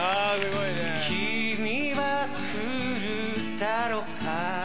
君は来るだろうか